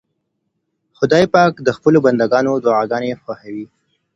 خدای پاک د خپلو بندګانو دعاګانې خوښوي.